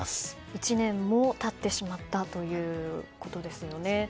１年も経ってしまったということですよね。